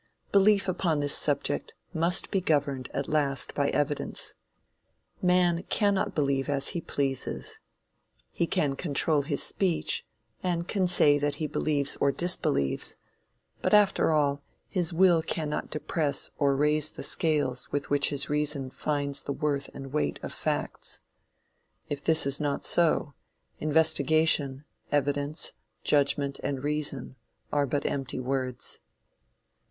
Belief upon this subject must be governed at last by evidence. Man cannot believe as he pleases. He can control his speech, and can say that he believes or disbelieves; but after all, his will cannot depress or raise the scales with which his reason finds the worth and weight of facts. If this is not so, investigation, evidence, judgment and reason are but empty words.